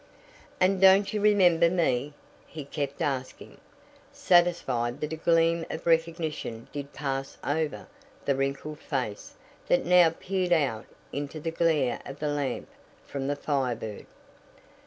"And don't you remember me?" he kept asking, satisfied that a gleam of recognition did pass over the wrinkled face that now peered out into the glare of the lamp from the Fire Bird.